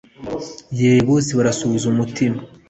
Ye bose barasuhuza umutima